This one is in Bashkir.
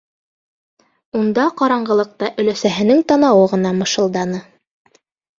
Унда ҡараңғылыҡта өләсәһенең танауы ғына мышылданы.